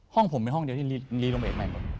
ห้องผมเป็นห้องเดียวที่ลีลงไปใหม่หมด